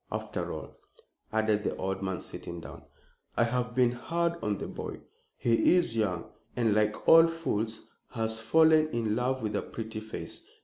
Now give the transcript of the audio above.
After all," added the old man, sitting down, "I have been hard on the boy. He is young, and, like all fools, has fallen in love with a pretty face.